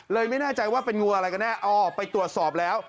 ไม่แน่ใจว่าเป็นงูอะไรกันแน่อ๋อไปตรวจสอบแล้ว